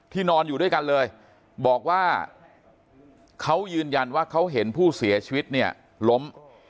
นอนอยู่ด้วยกันเลยบอกว่าเขายืนยันว่าเขาเห็นผู้เสียชีวิตเนี่ยล้ม